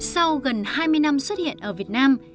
sau gần hai mươi năm xuất hiện ở việt nam